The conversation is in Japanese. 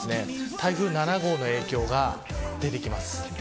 台風７号の影響が出てきます。